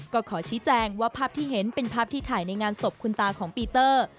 ก็ขอชี้แจงว่าภาพที่เห็นเป็นภาพที่ถ่ายในงานศพคุณตาของปีเตอร์